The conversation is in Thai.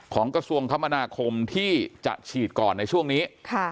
ของกระทรวงคมนาคมที่จะฉีดก่อนในช่วงนี้